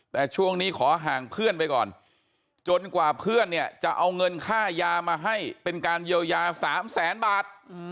แต่ช่วงนี้ขอห่างเพื่อนไปก่อนจนกว่าเพื่อนเนี่ยจะเอาเงินค่ายามาให้เป็นการเยียวยา๓แสนบาท